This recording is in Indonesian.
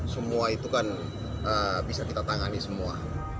semua itu kan bisa kita tangani semua